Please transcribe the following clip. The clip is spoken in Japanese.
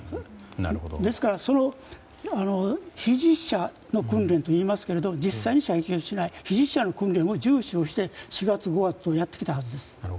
ですから、非実射の訓練といいますけれども実際に射撃をしない非実射の訓練を重視して４月、５月とやってきたはずです。